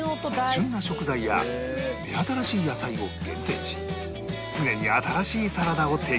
旬の食材や目新しい野菜を厳選し常に新しいサラダを提供